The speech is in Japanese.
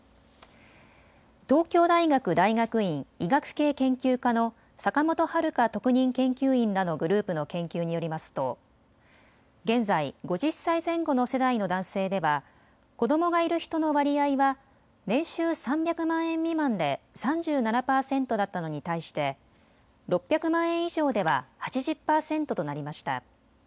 東京大学大学院医学系研究科の坂元晴香特任研究員らのグループの研究によりますと現在、５０歳前後の世代の男性では子どもがいる人の割合は年収３００万円未満で３７％だったのに対して６００万円以上では８０％となりました。